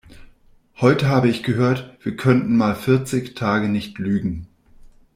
Heute habe ich gehört, wir könnten mal vierzig Tage nicht lügen.